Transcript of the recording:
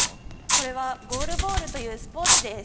これはゴールボールというスポーツです。